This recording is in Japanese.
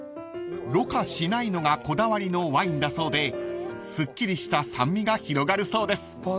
［ろ過しないのがこだわりのワインだそうですっきりした酸味が広がるそうです］